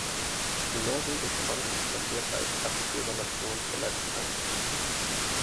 Die norwegische Mannschaft marschierte als Gastgebernation zuletzt ein.